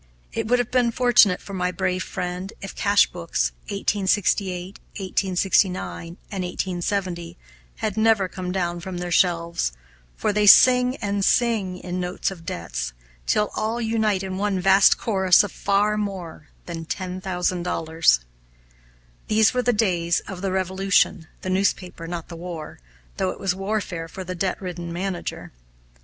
It would have been fortunate for my brave friend, if cash books 1868, 1869, and 1870 had never come down from their shelves; for they sing and sing, in notes of debts, till all unite in one vast chorus of far more than ten thousand dollars. These were the days of the Revolution, the newspaper, not the war, though it was warfare for the debt ridden manager.